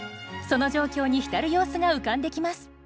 その状況に浸る様子が浮かんできます。